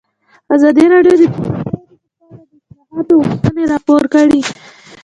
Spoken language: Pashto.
ازادي راډیو د بهرنۍ اړیکې په اړه د اصلاحاتو غوښتنې راپور کړې.